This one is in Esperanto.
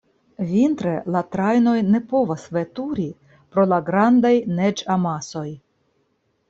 Vintre la trajnoj ne povas veturi pro la grandaj neĝamasoj.